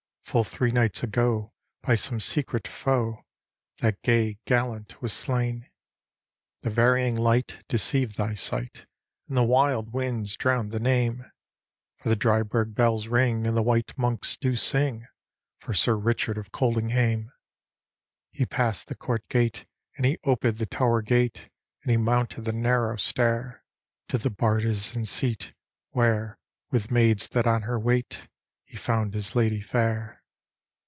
Full three nights ago, by some secret foe, That gay gallant was slain. " The varying light deceived thy sig^t. And the wild winds drown'd the name; For the Dryburgh bells ring, and the white monks do sing. For Sir Richard of Coldinghame! " He pass'd the court gate, and he oped the tower gate, And he mounted the narrow stair, To the bartizan seat, where, with maids that on her wait, He found his bdy fair.